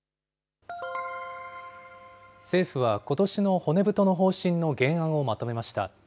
政府はことしの骨太の方針の原案をまとめました。